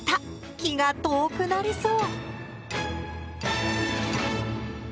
気が遠くなりそう。